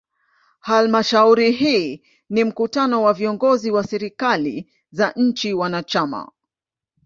Halmashauri hii ni mkutano wa viongozi wa serikali za nchi wanachama.